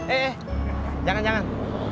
eh jangan jangan